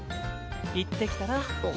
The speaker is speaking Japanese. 行ってきたら？